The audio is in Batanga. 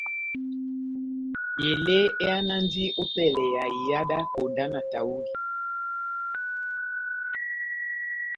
Elé ehánandi ópɛlɛ ya iha dá konda na tahuli.